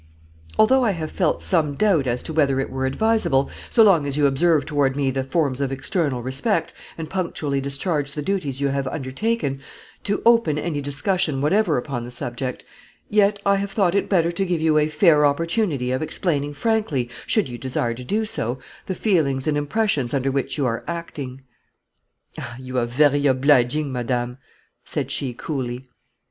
"Although I have felt some doubt as to whether it were advisable, so long as you observe toward me the forms of external respect, and punctually discharge the duties you have undertaken, to open any discussion whatever upon the subject; yet I have thought it better to give you a fair opportunity of explaining frankly, should you desire to do so, the feelings and impressions under which you are acting." "Ah, you are very obliging, madame," said she, coolly.